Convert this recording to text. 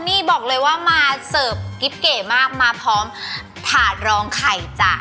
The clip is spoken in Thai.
นี่บอกเลยว่ามาเสิร์ฟกิ๊บเก๋มากมาพร้อมถาดรองไข่จ้ะ